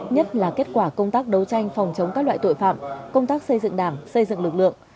nhất là kết quả công tác đấu tranh phòng chống các loại tội phạm công tác xây dựng đảng xây dựng lực lượng